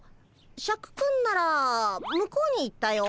シャクくんなら向こうに行ったよ。